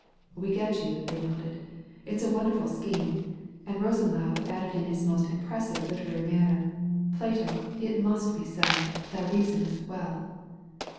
"We get you/* they nodded. "It*s a wonderful scheme." And Bosenlaube added in his most im pressive literary manner: "Plato, it muai be so, thou reasonest well."